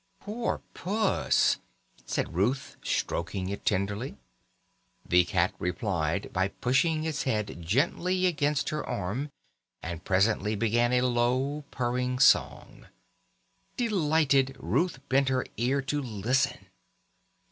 "Poor puss!" said Ruth stroking it tenderly. The cat replied by pushing its head gently against her arm, and presently began a low purring song. Delighted, Ruth bent her ear to listen.